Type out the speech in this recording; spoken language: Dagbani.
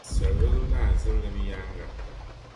Savelugu Naa Zibilim yaaŋa